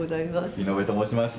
井上と申します。